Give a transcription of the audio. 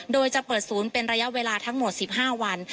โดยจะเปิดศูนย์เป็นระยะเวลาทั้งหมด๑๕วัน